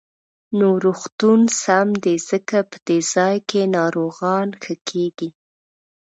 نو روغتون سم دی، ځکه په دې ځاى کې ناروغان ښه کېږي.